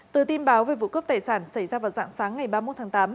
từ tin báo về vụ cướp tài sản xảy ra vào dạng sáng ngày ba mươi một tháng tám